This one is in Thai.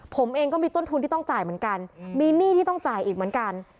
ผมเองก็มีต้นทุนที่ต้องจ่ายเหมือนกันมีหนี้ที่ต้องจ่ายอีกเหมือนกัน